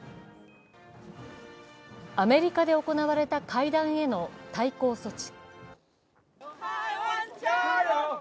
アメリカで行われた会談への対抗措置。